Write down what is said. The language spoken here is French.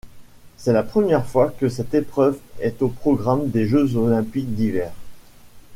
C'est la première fois que cette épreuve est au programme des Jeux olympiques d'hiver.